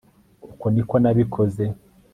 uku niko nabikoze